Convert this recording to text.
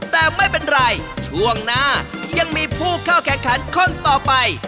แต่ไม่เป็นไรช่วงหน้ายังมีผู้เข้าแข่งขันคนต่อไป